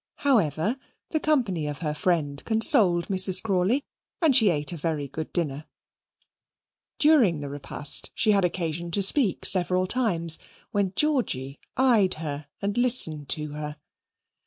However, the company of her friend consoled Mrs. Crawley, and she ate a very good dinner. During the repast, she had occasion to speak several times, when Georgy eyed her and listened to her.